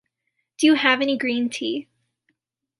Do you have any green tea?